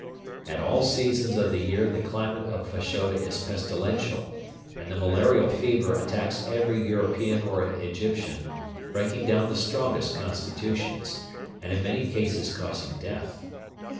At all seasons of the year the climate of Fashoda is pestilential, and the malarial fever attacks every European or Egyptian, breaking down the strongest constitutions, and in many cases causing death.